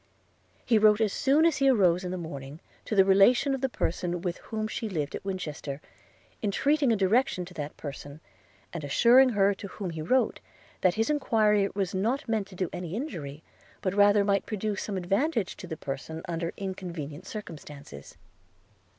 He wrote as soon as he arose in the morning to the relation of the person with whom she lived at Winchester, entreating a direction to that person, and assuring her to whom he wrote, that his enquiry was not meant to do any injury, but rather might produce some advantage to the person under inconvenient circumstances.